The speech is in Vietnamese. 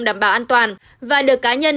đảm bảo an toàn và được cá nhân